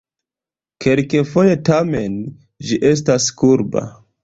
Kelkfoje, tamen, ĝi estas kurba.